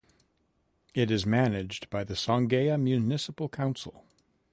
It is managed by the Songea Municipal Council.